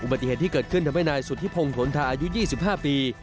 อุบัติเหตุที่เกิดขึ้นทำให้นายสุธิพงธนทะอายุ๒๕ปี